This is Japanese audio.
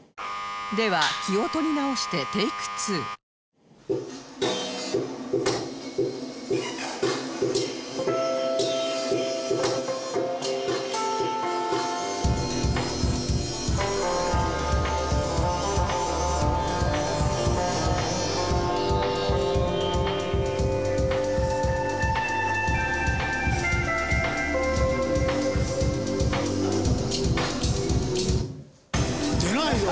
では気を取り直して出ないよ！